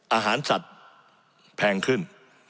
อาหารสัตว์แพงขึ้น